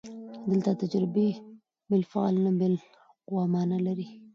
دلته تجربې بالفعل نه، بالقوه مانا لري.